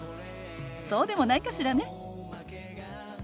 そうでもないかしらね。